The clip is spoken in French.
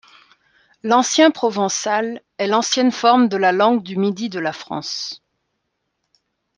L'ancien provençal est l'ancienne forme de la langue du Midi de la France.